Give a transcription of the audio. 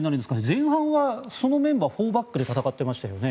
前半はそのメンバー４バックで戦ってましたよね。